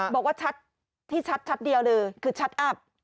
บอกว่าชัดที่ชัดเดียวเลยคือชัดอัพ